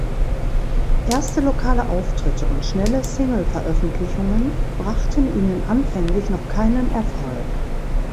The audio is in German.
Erste lokale Auftritte und schnelle Singleveröffentlichungen brachten ihnen anfänglich noch keinen Erfolg.